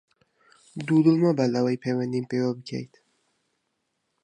دوودڵ مەبە لەوەی پەیوەندیم پێوە بکەیت!